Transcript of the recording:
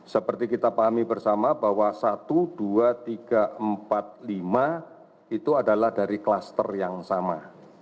seperti kita pahami bersama bahwa satu dua tiga empat lima itu adalah dari kluster yang sama